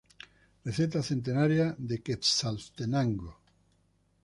Receta centenaria de Quetzaltenango.